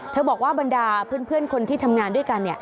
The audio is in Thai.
บอกว่าบรรดาเพื่อนคนที่ทำงานด้วยกัน